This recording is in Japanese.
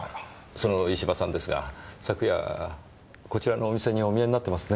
その石場さんですが昨夜こちらのお店にお見えになってますね？